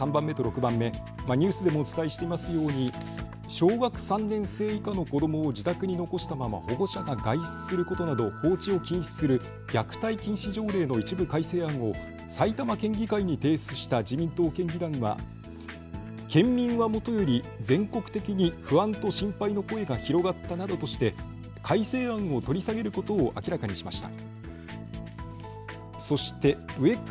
小学３年生以下の子どもを自宅に残したまま保護者が外出するなど、放置を禁止する虐待禁止条例の一部改正案を埼玉県議会に提出した自民党県議団は県民はもとより全国的に不安と心配の声が広がったなどとして改正案を取り下げることを明らかにしました。